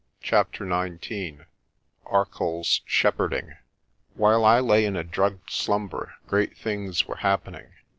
CHAPTER XIX ARCOLL'S SHEPHERDING WHILE I lay in a drugged slumber great things were hap pening.